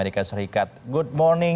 good morning waktu indonesia nih